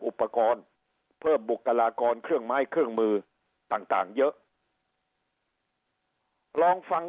อุปกรณ์เพิ่มบุคลากรเครื่องไม้เครื่องมือต่างต่างเยอะลองฟัง